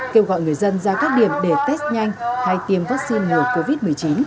kêu gọi người dân ra các điểm để test nhanh hay tiêm vaccine ngừa covid một mươi chín